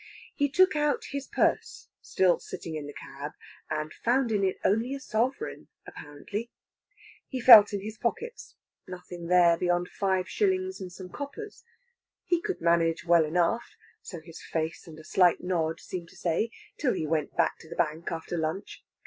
He took out his purse, still sitting in the cab, and found in it only a sovereign, apparently. He felt in his pockets. Nothing there beyond five shillings and some coppers. He could manage well enough so his face and a slight nod seemed to say till he went back to the Bank after lunch.